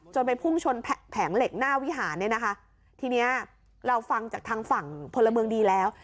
ไปพุ่งชนแผงเหล็กหน้าวิหารเนี่ยนะคะทีเนี้ยเราฟังจากทางฝั่งพลเมืองดีแล้ว